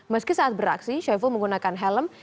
meski saat beraksi syaiful menggunakan helm